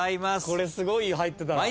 これすごい入ってたら。